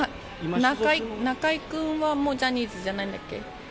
中居君はもうジャニーズじゃないんだっけ？